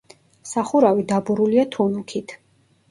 სახურავი დაბურულია თუნუქით.